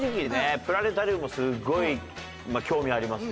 プラネタリウムもすっごい興味ありますよ。